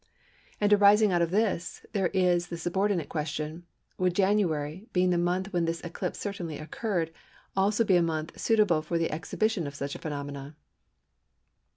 And arising out of this, there is the subordinate question, "Would January, being the month when this eclipse certainly occurred, also be a month suitable for the exhibition of such a phenomenon?"